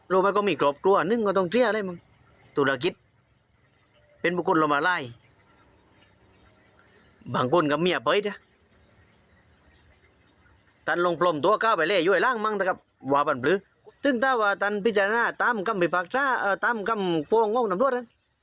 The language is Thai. แล้วส่งไปทางกันได้เลย